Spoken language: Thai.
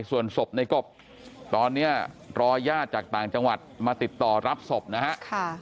ส่วนศพในกบตอนนี้รอญาติจากต่างจังหวัดมาติดต่อรับศพนะฮะ